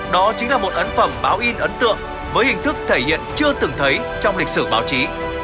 đó chính là một ấn phẩm báo in ấn tượng với hình thức thể hiện chưa từng thấy trong lịch sử báo chí